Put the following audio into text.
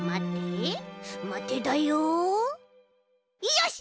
よし！